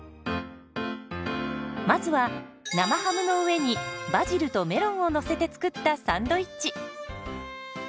まずは生ハムの上にバジルとメロンをのせて作ったサンドイッチ。